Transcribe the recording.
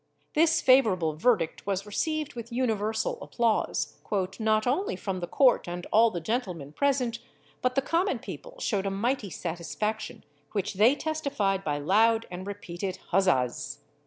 This favourable verdict was received with universal applause, "not only from the court and all the gentlemen present, but the common people shewed a mighty satisfaction, which they testified by loud and repeated huzzas."